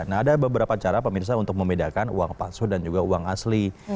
nah ada beberapa cara pemirsa untuk membedakan uang palsu dan juga uang asli